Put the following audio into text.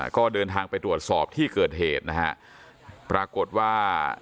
ก็เดินทางไปตรวจสอบที่เกิดเหตุนะฮะปรากฏว่า